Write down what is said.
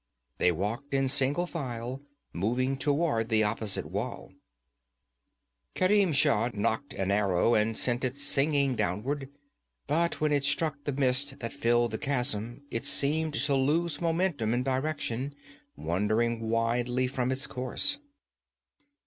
They walked in single file, moving toward the opposite wall. Kerim Shah nocked an arrow and sent it singing downward. But when it struck the mist that filled the chasm it seemed to lose momentum and direction, wandering widely from its course.